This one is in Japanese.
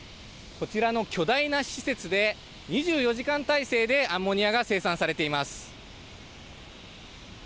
こちらの巨大な施設で２４時間体制でアンモニアが生産されています。